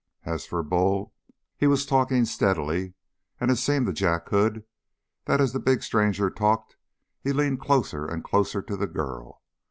As for Bull, he was talking steadily, and it seemed to Jack Hood that as the big stranger talked he leaned closer and closer to the girl.